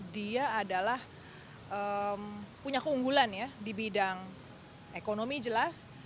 dia adalah punya keunggulan ya di bidang ekonomi jelas